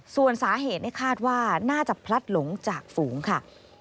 ส่วนสาเหตุคาดว่าน่าจะพลัดหลงจากฝูงค่ะ